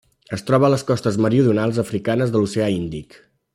Es troba a les costes meridionals africanes de l'Oceà Índic.